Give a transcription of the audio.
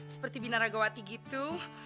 seperti binaragawati gitu